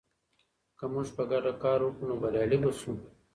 که موږ په ګډه کار وکړو، نو بریالي به شو.